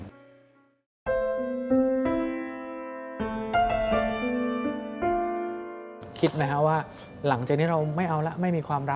คิดไหมครับว่าหลังจากนี้เราไม่เอาแล้วไม่มีความรัก